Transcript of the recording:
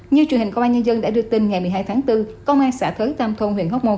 như truyền hình công an nhân dân đã đưa tin ngày một mươi hai tháng bốn công an xã thới tam thôn huyện hóc môn